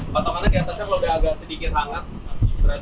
potongannya diatasnya kalau udah agak sedikit hangat